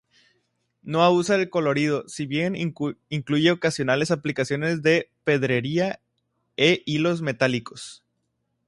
No abusa del colorido, si bien incluye ocasionales aplicaciones de pedrería e hilos metálicos.